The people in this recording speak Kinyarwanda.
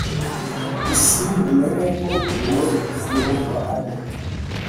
isi bumenye ko wowe Yehova ari